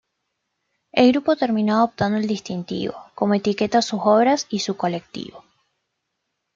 El grupo terminó adoptando el distintivo, como etiqueta a sus obras y su colectivo.